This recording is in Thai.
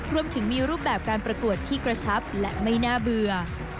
รวมถึงมีรูปแบบการประกวดที่กระชับและไม่น่าเบื่อ